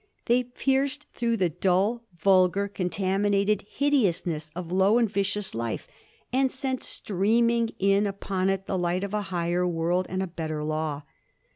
They pierced through the dull, vulgar, contaminated hide ousness of low and vicious life, and sent streaming in upon it the light of a higher world and a better law.